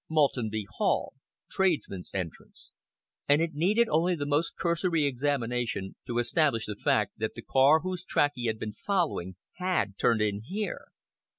MALTENBY HALL TRADESMEN'S ENTRANCE and it needed only the most cursory examination to establish the fact that the car whose track he had been following had turned in here.